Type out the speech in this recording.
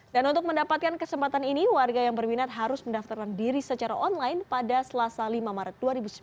dan untuk mendapatkan kesempatan ini warga yang berminat harus mendaftarkan diri secara online pada selasa lima maret dua ribu sembilan belas